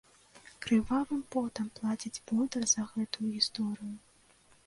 Крывавым потам плаціць бондар за гэтую гісторыю.